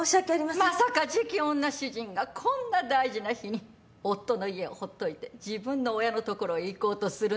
まさか次期女主人がこんな大事な日に夫の家をほっといて自分の親のところへ行こうとするなんて。